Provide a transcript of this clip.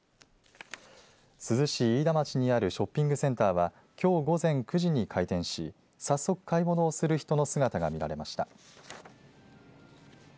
珠洲市飯田町にあるショッピングセンターはきょう午前９時に開店し早速、買い物をする人の姿が見られました。